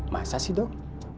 masa sih dok